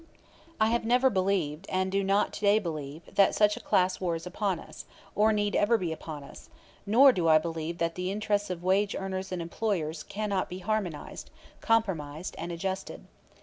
I have never believed, and do not to day believe, that such a class war is upon us, or need ever be upon us; nor do I believe that the interests of wage earners and employers cannot be harmonized, compromised and adjusted.